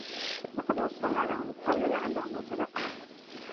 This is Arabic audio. وَلَقَد وَصَّلنا لَهُمُ القَولَ لَعَلَّهُم يَتَذَكَّرونَ